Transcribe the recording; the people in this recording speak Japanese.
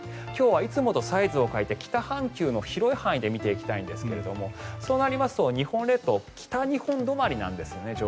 今日はいつもとサイズを変えて北半球の広い範囲で見ていきたいんですがそうなりますと、日本列島北日本どまりなんですね。